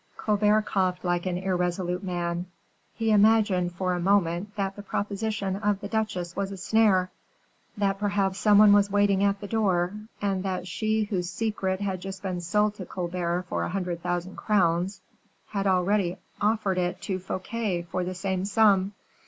Colbert coughed like an irresolute man. He imagined, for a moment, that the proposition of the duchesse was a snare; that perhaps some one was waiting at the door; and that she whose secret had just been sold to Colbert for a hundred thousand crowns, had already offered it to Fouquet for the same sum.